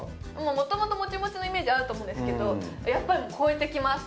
もともとモチモチのイメージあると思うんですけどやっぱり超えてきます